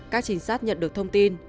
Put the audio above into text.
các trình sát nhận được thông tin